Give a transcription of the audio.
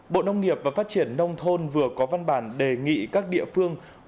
bộ nông nghiệp và phát triển nông thôn vừa có văn bản đề nghị các địa phương